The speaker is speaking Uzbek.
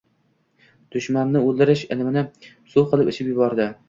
Dushmanni oʻldirish ilmini suv qilib ichib yubordi